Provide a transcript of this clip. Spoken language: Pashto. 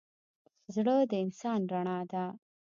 زړه د انسان رڼا ده.